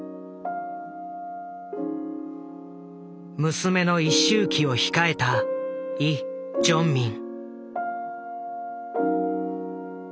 娘の一周忌を控えたイ・ジョンミン。